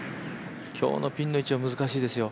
今日のピンの位置難しいですよ。